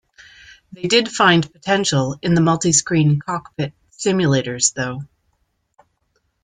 They did find potential in multi-screen cockpit simulators though.